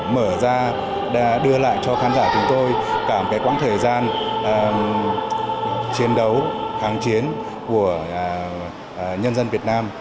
mở ra đã đưa lại cho khán giả chúng tôi cả một cái quãng thời gian chiến đấu kháng chiến của nhân dân việt nam